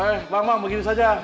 eh bang mama begini saja